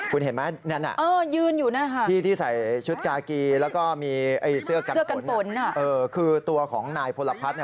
คุณเห็นไหมนั่นน่ะที่ที่ใส่ชุดกากีแล้วก็มีเสื้อกันผลน่ะคือตัวของนายพลพัฒน์